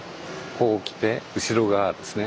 こうきて後ろ側ですね。